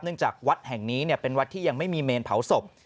จากวัดแห่งนี้เป็นวัดที่ยังไม่มีเมนเผาศพ